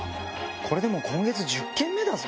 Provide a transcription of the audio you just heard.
これでもう今月１０件目だぞ。